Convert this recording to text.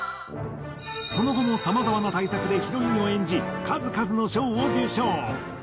その後もさまざまな大作でヒロインを演じ数々の賞を受賞。